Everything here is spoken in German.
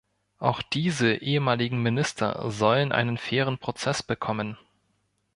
Auch diese ehemaligen Minister sollen einen fairen Prozess bekommen.